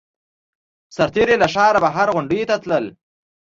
سرتېري له ښاره بهر غونډیو ته تلل